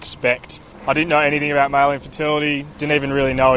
saya tidak tahu apa apa tentang infertilitas laki laki